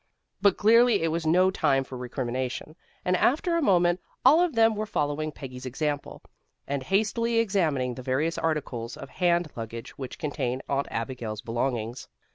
But clearly it was no time for recrimination, and after a moment all of them were following Peggy's example, and hastily examining the various articles of hand luggage which contained Aunt Abigail's belongings.